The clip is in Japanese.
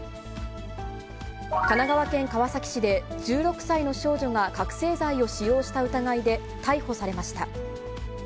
神奈川県川崎市で、１６歳の少女が覚醒剤を使用した疑いで逮捕されました。